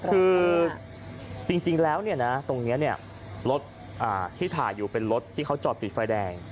คือจริงจริงแล้วเนี่ยนะตรงเนี้ยเนี้ยรถอ่าที่ถ่ายอยู่เป็นรถที่เขาจอดติดไฟแดง